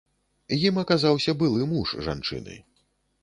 Ім аказаўся былы муж жанчыны.